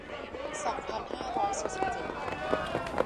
สองพันห้าร้อยสี่สิบเจ็ด